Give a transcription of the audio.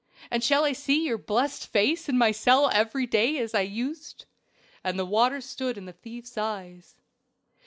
and shall I see your blessed face in my cell every day as I used?" And the water stood in the thief's eyes.